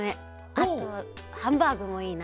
あとハンバーグもいいな。